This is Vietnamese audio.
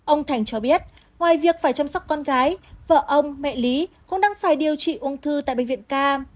ông thành cho biết ngoài việc phải chăm sóc con gái vợ ông mẹ lý cũng đang phải điều trị ung thư tại bệnh viện ca